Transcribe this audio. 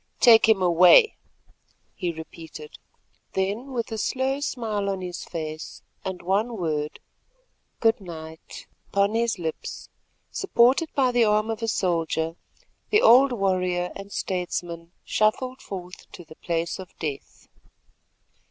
"Take him away," he repeated. Then, with a slow smile on his face and one word, "Good night," upon his lips, supported by the arm of a soldier, the old warrior and statesman shuffled forth to the place of death.